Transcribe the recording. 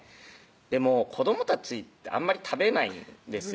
でも子どもたちってあんまり食べないんですよ